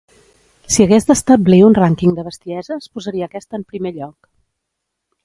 Si hagués d'establir un rànquing de bestieses posaria aquesta en primer lloc.